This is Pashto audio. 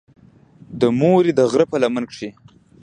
د مورې د غرۀ پۀ لمن کښې